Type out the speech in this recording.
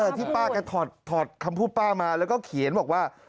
อันนี้ที่ป้าก็ถอดคำพูดป้ามาแล้วก็เขียนมาว่า